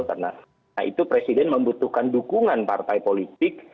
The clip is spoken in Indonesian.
karena nah itu presiden membutuhkan dukungan partai politik